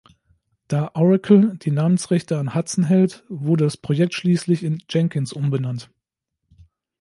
Da Oracle die Namensrechte an "Hudson" hält, wurde das Projekt schließlich in "Jenkins" umbenannt.